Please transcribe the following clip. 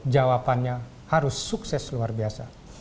jawabannya harus sukses luar biasa